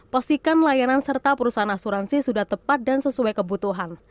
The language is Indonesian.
pastikan layanan serta perusahaan asuransi sudah tepat dan sesuai kebutuhan